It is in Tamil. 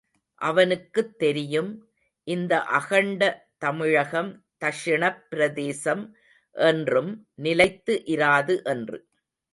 அவனுக்குத் தெரியும், இந்த அகண்ட தமிழகம், தக்ஷிணப் பிரதேசம் என்றும் நிலைத்து இராது என்று.